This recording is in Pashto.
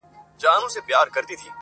د شاه شجاع د قتلېدلو وطن!